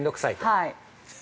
◆はい。